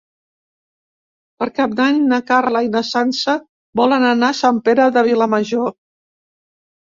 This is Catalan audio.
Per Cap d'Any na Carla i na Sança volen anar a Sant Pere de Vilamajor.